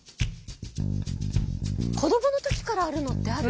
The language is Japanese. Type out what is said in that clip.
子どものときからあるのってある？